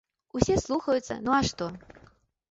Усе слухаюцца, ну а што.